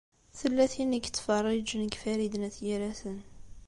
Tella tin i yettfeṛṛiǧen deg Farid n At Yiraten.